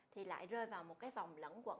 thì lại rơi vào một cái vòng lẫn quẩn